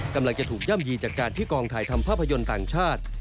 กำลังจะถูกย่ำยีจากการที่กองถ่ายทำภาพยนตร์ต่างชาติ